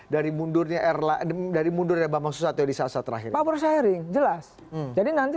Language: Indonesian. dari mundurnya rlm dari mundurnya bambang susato disatuan terakhir power sharing jelas jadi nanti